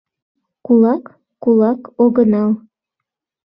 — Кулак... кулак... огынал...